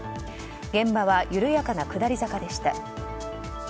現場は緩やかな下り坂でした。